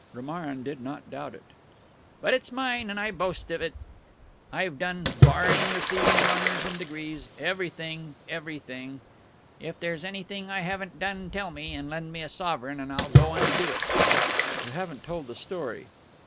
Romarin did not doubt it. "But it's mine, and I boast of it. I've done barring receiving honours and degrees everything everything! If there's anything I haven't done, tell me and lend me a sovereign, and I'll go and do it." "You haven't told the story."